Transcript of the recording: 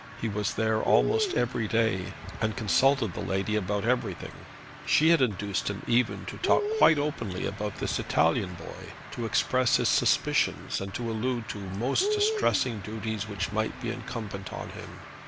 He was there almost every day, and consulted the lady about every thing. She had induced him even to talk quite openly about this Italian boy, to express his suspicions, and to allude to most distressing duties which might be incumbent on him.